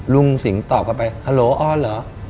ลุงสิงห์ตอบกลับไปฮัลโหลออนเหรอ